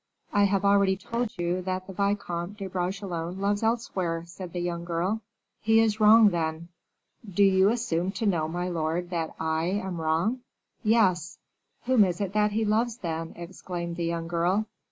"I have already told you that the Vicomte de Bragelonne loves elsewhere," said the young girl. "He is wrong, then." "Do you assume to know, my lord, that I am wrong?" "Yes." "Whom is it that he loves, then?" exclaimed the young girl.